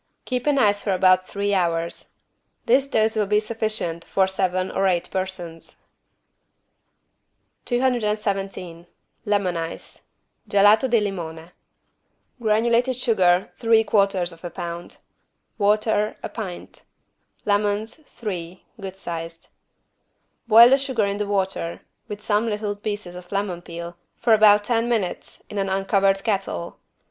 Keep in ice for about three hours. This dose will be sufficient for seven or eight persons. 217 LEMON ICE (Gelato di limone) Granulated sugar, 3/4 lb. Water, a pint. Lemons, three (good sized). Boil the sugar in the water, with some little pieces of lemon peel, for about ten minutes, in an uncovered kettle.